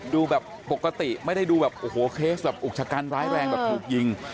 ดูแบบปกติไม่ได้ดูแบบโอ้โหเคสแบบอุกชะกันร้ายแรงแบบถูกยิง